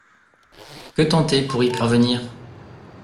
Que tenter pour y parvenir?